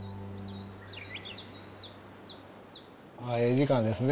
ええ時間ですね。